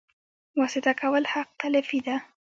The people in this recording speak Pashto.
واسطه کول حق تلفي ده